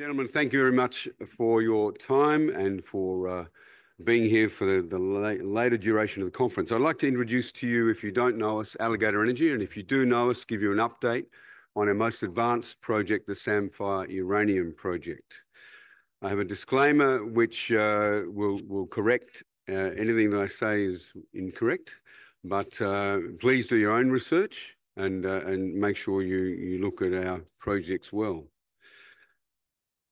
Ladies and gentlemen, thank you very much for your time and for being here for the later duration of the conference. I'd like to introduce to you, if you don't know us, Alligator Energy, and if you do know us, give you an update on our most advanced project, the Samphire Uranium Project. I have a disclaimer which will correct anything that I say is incorrect, but please do your own research and make sure you look at our projects well.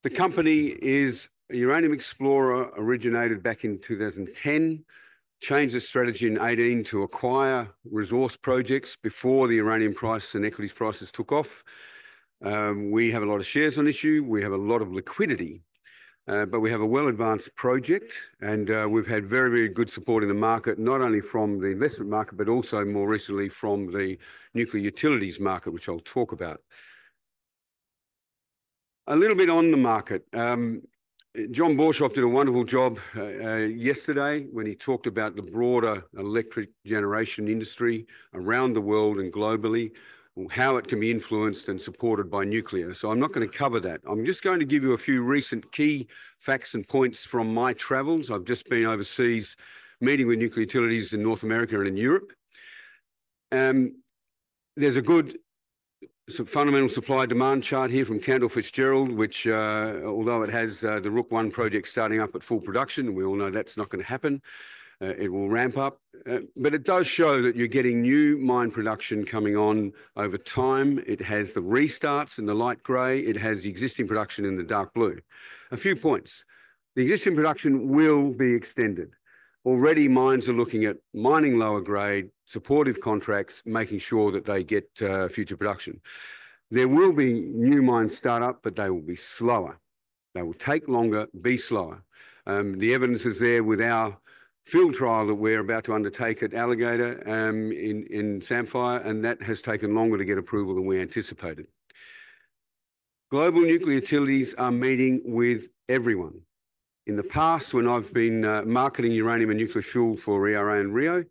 The company is a uranium explorer, originated back in 2010, changed its strategy in 2018 to acquire resource projects before the uranium price and equities prices took off. We have a lot of shares on issue, we have a lot of liquidity, but we have a well-advanced project and, we've had very, very good support in the market, not only from the investment market, but also more recently from the nuclear utilities market, which I'll talk about. A little bit on the market. John Borshoff did a wonderful job, yesterday when he talked about the broader electric generation industry around the world and globally, and how it can be influenced and supported by nuclear. So I'm not gonna cover that. I'm just going to give you a few recent key facts and points from my travels. I've just been overseas meeting with nuclear utilities in North America and in Europe. There's a good supply-demand chart here from Cantor Fitzgerald, which, although it has the Rook I project starting up at full production, we all know that's not gonna happen. It will ramp up, but it does show that you're getting new mine production coming on over time. It has the restarts in the light gray, it has the existing production in the dark blue. A few points: the existing production will be extended. Already, mines are looking at mining lower grade, supportive contracts, making sure that they get future production. There will be new mine start-up, but they will be slower. They will take longer and be slower. The evidence is there with our field trial that we're about to undertake at Alligator, in Samphire, and that has taken longer to get approval than we anticipated. Global nuclear utilities are meeting with everyone. In the past, when I've been marketing uranium and nuclear fuel for ERA and Rio,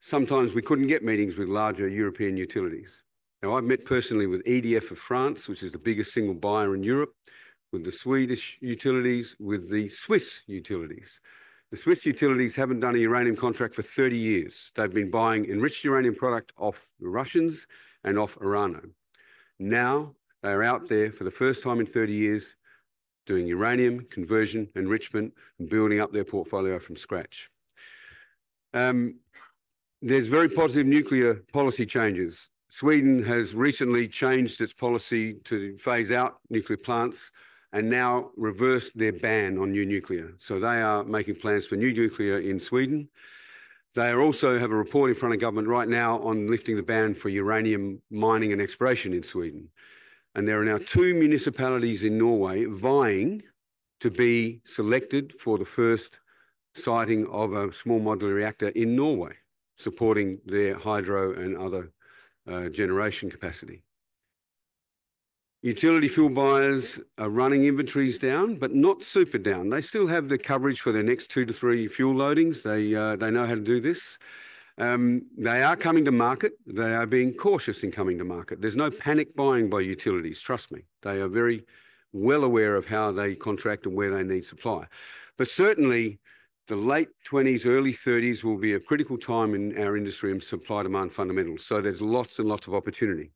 sometimes we couldn't get meetings with larger European utilities. Now, I've met personally with EDF of France, which is the biggest single buyer in Europe, with the Swedish utilities, with the Swiss utilities. The Swiss utilities haven't done a uranium contract for 30 years. They've been buying enriched uranium product off the Russians and off Orano. Now, they are out there for the first time in 30 years, doing uranium conversion, enrichment, and building up their portfolio from scratch. There's very positive nuclear policy changes. Sweden has recently changed its policy to phase out nuclear plants and now reversed their ban on new nuclear. So they are making plans for new nuclear in Sweden. They also have a report in front of government right now on lifting the ban for uranium mining and exploration in Sweden, and there are now two municipalities in Norway vying to be selected for the first siting of a small modular reactor in Norway, supporting their hydro and other generation capacity. Utility fuel buyers are running inventories down, but not super down. They still have the coverage for their next two to three fuel loadings. They know how to do this. They are coming to market. They are being cautious in coming to market. There's no panic buying by utilities, trust me. They are very well aware of how they contract and where they need supply. But certainly, the late twenties, early thirties will be a critical time in our industry and supply-demand fundamentals, so there's lots and lots of opportunity.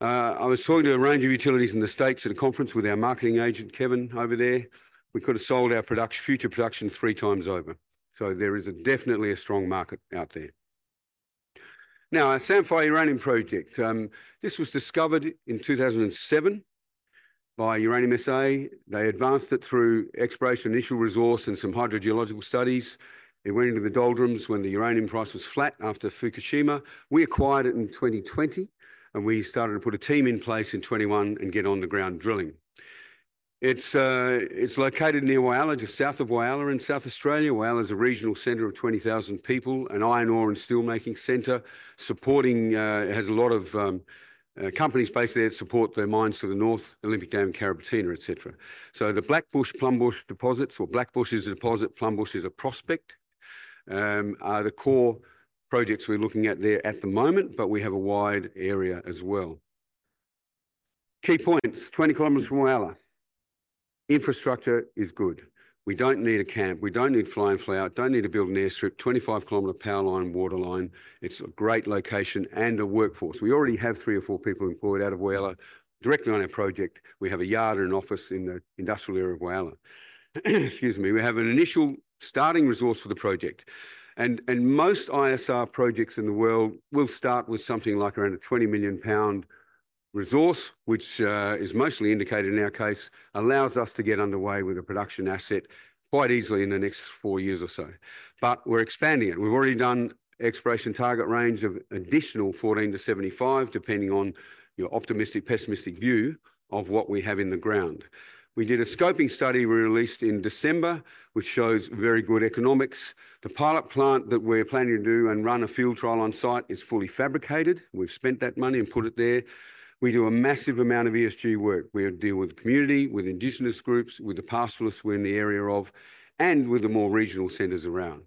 I was talking to a range of utilities in the States at a conference with our marketing agent, Kevin, over there. We could have sold our production, future production three times over, so there is definitely a strong market out there. Now, our Samphire Uranium Project. This was discovered in 2007 by Uranium SA. They advanced it through exploration, initial resource, and some hydrogeological studies. It went into the doldrums when the uranium price was flat after Fukushima. We acquired it in 2020, and we started to put a team in place in 2021 and get on-the-ground drilling. It's located near Whyalla, just south of Whyalla in South Australia. Whyalla is a regional center of 20,000 people, an iron ore and steel-making center, supporting... It has a lot of companies based there to support their mines to the north, Olympic Dam and Carrapateena, et cetera. So the Blackbush, Plumbush deposits, well, Blackbush is a deposit, Plumbush is a prospect, are the core projects we're looking at there at the moment, but we have a wide area as well. Key points, 20 kilometers from Whyalla. Infrastructure is good. We don't need a camp, we don't need fly-in, fly-out, don't need to build an airstrip. 25-kilometer power line, water line. It's a great location and a workforce. We already have three or four people employed out of Whyalla directly on our project. We have a yard and an office in the industrial area of Whyalla. Excuse me. We have an initial starting resource for the project, and most ISR projects in the world will start with something like around a 20-million-pound resource, which is mostly indicated in our case, allows us to get underway with a production asset quite easily in the next 4 years or so. But we're expanding it. We've already done exploration target range of additional 14-75, depending on your optimistic, pessimistic view of what we have in the ground. We did a scoping study we released in December, which shows very good economics. The pilot plant that we're planning to do and run a field trial on site is fully fabricated. We've spent that money and put it there. We do a massive amount of ESG work. We deal with the community, with Indigenous groups, with the pastoralists we're in the area of, and with the more regional centers around.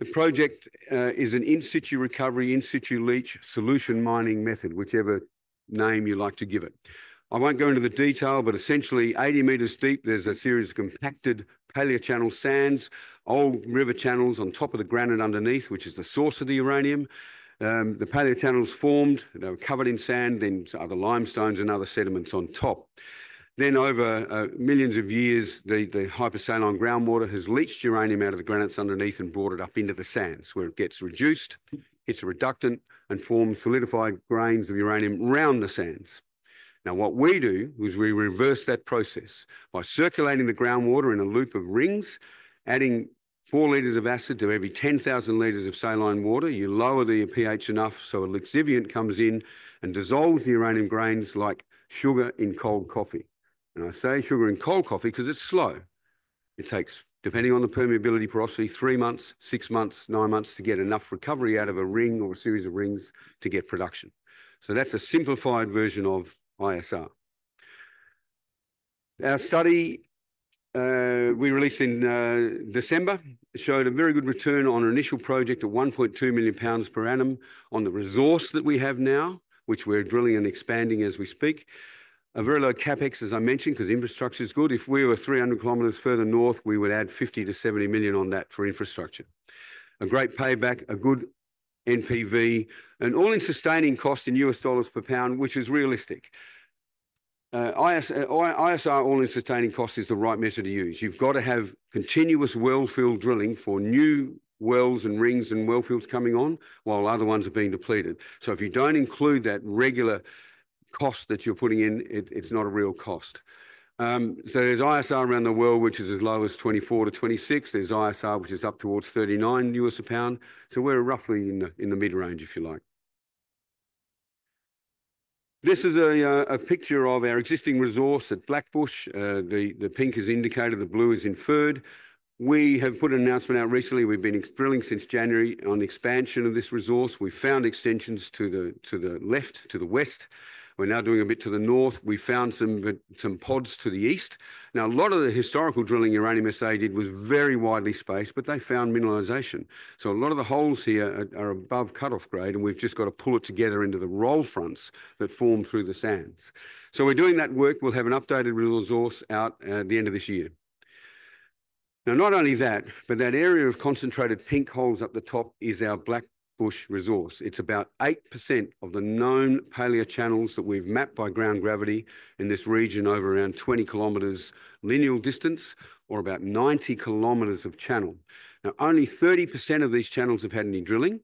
The project is an in-situ recovery, in-situ leach solution mining method, whichever name you like to give it. I won't go into the detail, but essentially 80 meters deep, there's a series of compacted paleochannel sands, old river channels on top of the granite underneath, which is the source of the uranium. The paleochannel is formed. They were covered in sand, then other limestones and other sediments on top. Then over millions of years, the hypersaline groundwater has leached uranium out of the granites underneath and brought it up into the sands, where it gets reduced, it's reductant, and forms solidified grains of uranium around the sands. Now, what we do is we reverse that process by circulating the groundwater in a loop of rings, adding 4 liters of acid to every 10,000 liters of saline water, you lower the pH enough so a lixiviant comes in and dissolves the uranium grains like sugar in cold coffee. And I say sugar in cold coffee 'cause it's slow. It takes, depending on the permeability, porosity, 3 months, 6 months, 9 months to get enough recovery out of a ring or a series of rings to get production. So that's a simplified version of ISR. Our study, we released in December, showed a very good return on our initial project of 1.2 million pounds per annum on the resource that we have now, which we're drilling and expanding as we speak. A very low CapEx, as I mentioned, 'cause infrastructure is good. If we were 300 kilometers further north, we would add 50-70 million on that for infrastructure. A great payback, a good NPV, an all-in sustaining cost in $ per pound, which is realistic. ISR all-in sustaining cost is the right measure to use. You've got to have continuous well field drilling for new wells and rings and well fields coming on, while other ones are being depleted. So if you don't include that regular cost that you're putting in, it's not a real cost. So there's ISR around the world, which is as low as $24-26. There's ISR, which is up towards $39 a pound. So we're roughly in the mid-range, if you like. This is a picture of our existing resource at Blackbush. The pink is indicated, the blue is inferred. We have put an announcement out recently. We've been drilling since January on the expansion of this resource. We found extensions to the left, to the west. We're now doing a bit to the north. We found some pods to the east. Now, a lot of the historical drilling Uranium SA did was very widely spaced, but they found mineralization. So a lot of the holes here are above cut-off grade, and we've just got to pull it together into the roll fronts that form through the sands. So we're doing that work. We'll have an updated resource out at the end of this year. Now, not only that, but that area of concentrated pink holes up the top is our Blackbush resource. It's about 8% of the known paleochannels that we've mapped by ground gravity in this region over around 20 km lineal distance, or about 90 km of channel. Now, only 30% of these channels have had any drilling,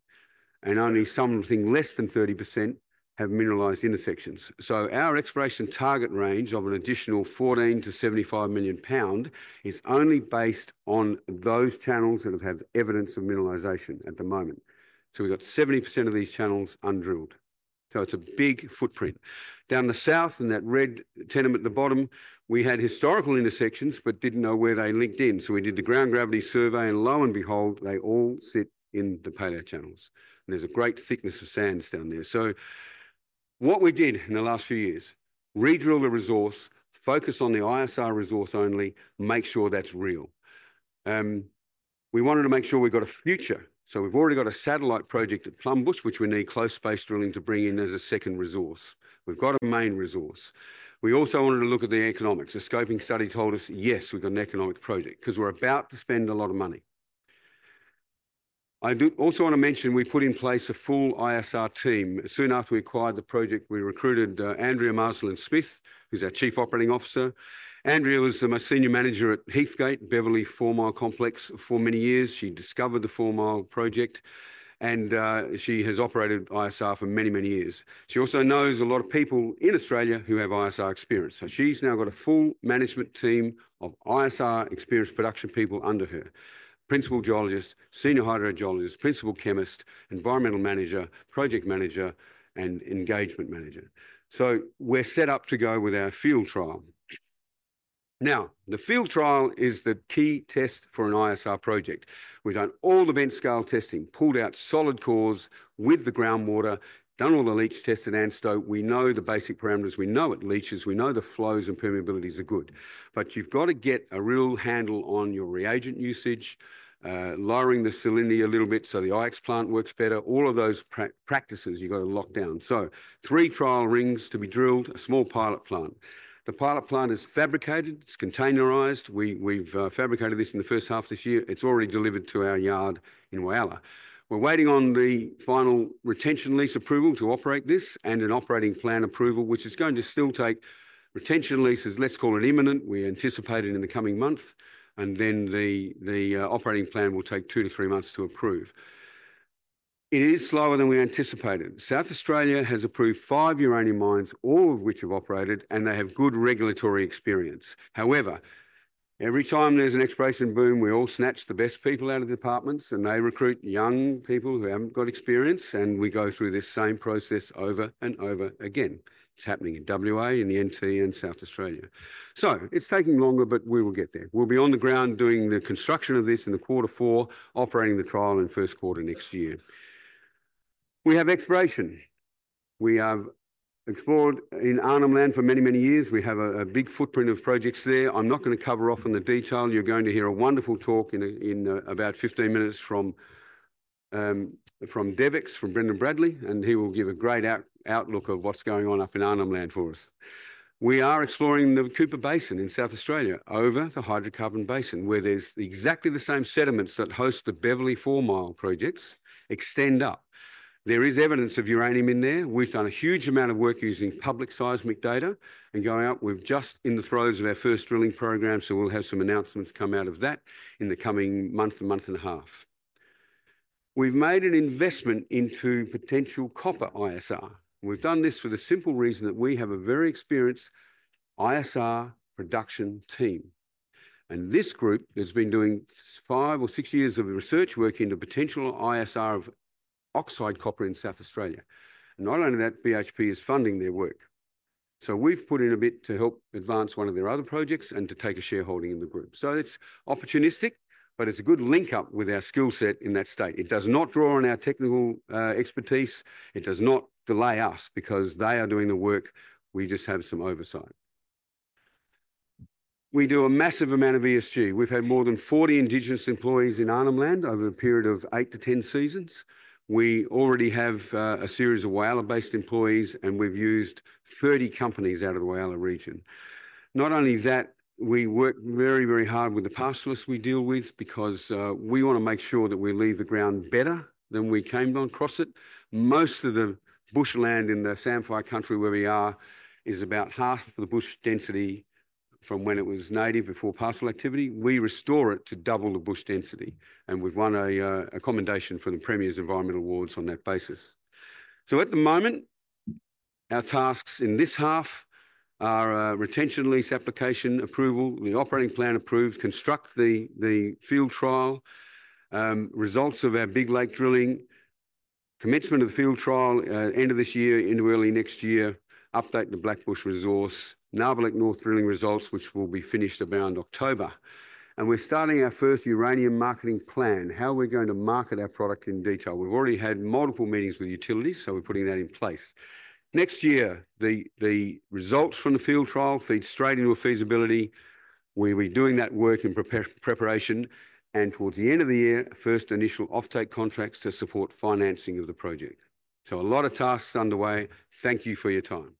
and only something less than 30% have mineralized intersections. So our exploration target range of an additional 14-75 million pound is only based on those channels that have had evidence of mineralization at the moment. So we've got 70% of these channels undrilled. So it's a big footprint. Down the south, in that red tenement at the bottom, we had historical intersections, but didn't know where they linked in. So we did the ground gravity survey, and lo and behold, they all sit in the paleochannels, and there's a great thickness of sands down there. So what we did in the last few years, redrill the resource, focus on the ISR resource only, make sure that's real. We wanted to make sure we got a future. So we've already got a satellite project at Plumbush, which we need close space drilling to bring in as a second resource. We've got a main resource. We also wanted to look at the economics. The scoping study told us, "Yes, we've got an economic project," 'cause we're about to spend a lot of money. I do also wanna mention, we put in place a full ISR team. Soon after we acquired the project, we recruited Andrea Marsland-Smith, who's our Chief Operating Officer. Andrea was a senior manager at Heathgate, Beverley Four Mile Complex for many years. She discovered the Four Mile project, and she has operated ISR for many, many years. She also knows a lot of people in Australia who have ISR experience, so she's now got a full management team of ISR experienced production people under her: principal geologist, senior hydrogeologist, principal chemist, environmental manager, project manager, and engagement manager. So we're set up to go with our field trial. Now, the field trial is the key test for an ISR project. We've done all the bench scale testing, pulled out solid cores with the groundwater, done all the leach tests at ANSTO. We know the basic parameters. We know it leaches, we know the flows and permeabilities are good, but you've got to get a real handle on your reagent usage, lowering the salinity a little bit so the IX plant works better. All of those practices, you've got to lock down. So 3 trial rings to be drilled, a small pilot plant. The pilot plant is fabricated, it's containerized. We've fabricated this in the first half of this year. It's already delivered to our yard in Whyalla. We're waiting on the final retention lease approval to operate this, and an operating plan approval, which is going to still take... Retention leases, let's call it imminent. We anticipate it in the coming month, and then the operating plan will take 2-3 months to approve. It is slower than we anticipated. South Australia has approved 5 uranium mines, all of which have operated, and they have good regulatory experience. However, every time there's an exploration boom, we all snatch the best people out of the departments, and they recruit young people who haven't got experience, and we go through this same process over and over again. It's happening in WA, in the NT, and South Australia. So it's taking longer, but we will get there. We'll be on the ground doing the construction of this in the quarter four, operating the trial in first quarter next year. We have exploration. We have explored in Arnhem Land for many, many years. We have a big footprint of projects there. I'm not gonna cover off on the detail. You're going to hear a wonderful talk in about 15 minutes from DevEx, from Brendan Bradley, and he will give a great outlook of what's going on up in Arnhem Land for us. We are exploring the Cooper Basin in South Australia, over the hydrocarbon basin, where there's exactly the same sediments that host the Beverley Four Mile projects extend up. There is evidence of uranium in there. We've done a huge amount of work using public seismic data and going out. We're just in the throes of our first drilling program, so we'll have some announcements come out of that in the coming month to month and a half. We've made an investment into potential copper ISR. We've done this for the simple reason that we have a very experienced ISR production team, and this group has been doing 5 or 6 years of research work into potential ISR of oxide copper in South Australia. Not only that, BHP is funding their work. So we've put in a bit to help advance one of their other projects and to take a shareholding in the group. So it's opportunistic, but it's a good link-up with our skill set in that state. It does not draw on our technical expertise. It does not delay us, because they are doing the work, we just have some oversight. We do a massive amount of ESG. We've had more than 40 Indigenous employees in Arnhem Land over a period of 8-10 seasons. We already have a series of Whyalla-based employees, and we've used 30 companies out of the Whyalla region. Not only that, we work very, very hard with the pastoralists we deal with because we wanna make sure that we leave the ground better than we came across it. Most of the bushland in the Samphire country where we are is about half the bush density from when it was native before pastoral activity. We restore it to double the bush density, and we've won a commendation from the Premier's Environmental Awards on that basis. So at the moment, our tasks in this half are retention lease application approval, the operating plan approved, construct the field trial, results of our Big Lake drilling, commencement of the field trial, end of this year into early next year, update the Blackbush resource, Nabarlek North drilling results, which will be finished around October. And we're starting our first uranium marketing plan. How are we going to market our product in detail? We've already had multiple meetings with utilities, so we're putting that in place. Next year, the results from the field trial feed straight into a feasibility. We'll be doing that work in preparation, and towards the end of the year, first initial offtake contracts to support financing of the project. So a lot of tasks underway. Thank you for your time.